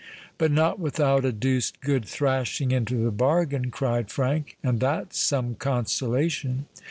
"But not without a deuced good thrashing into the bargain," cried Frank; "and that's some consolation."